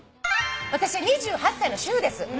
「私は２８歳の主婦です」